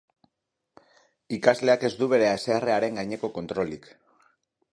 Ikasleak ez du bere haserrearen gaineko kontrolik.